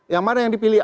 yang mana yang dipilih